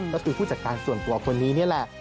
ก็คือผู้จัดการส่วนตัวคนนี้นี่แหละ